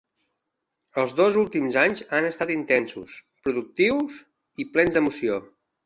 Els dos últims anys han estat intensos, productius i plens d'emoció.